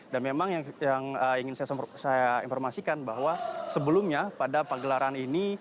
dan memang yang ingin saya informasikan bahwa sebelumnya pada penggelaran ini